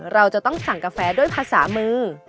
เราจะต้องสั่งกาแฟด้วยภาษามือ